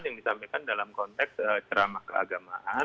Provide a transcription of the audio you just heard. yang disampaikan dalam konteks ceramah keagamaan